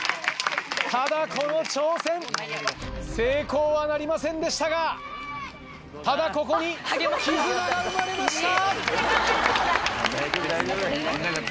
・ただこの挑戦成功はなりませんでしたがただここに絆が生まれました。